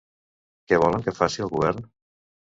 Què volen que faci el govern?